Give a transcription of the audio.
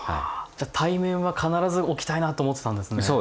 じゃあ対面は必ず置きたいなと思ってたんですね。